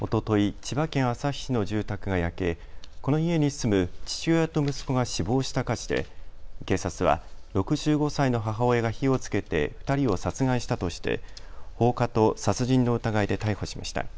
千葉県旭市の住宅が焼けこの家に住む父親と息子が死亡した火事で警察は６５歳の母親が火をつけて２人を殺害したとして放火と殺人の疑いで逮捕しました。